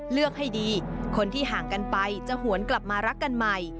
เลือกให้ดีคนที่ห่างกันไปจะหวนกลับมารักกันใหม่